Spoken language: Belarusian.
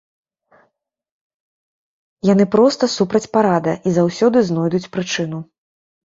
Яны проста супраць парада і заўсёды знойдуць прычыну.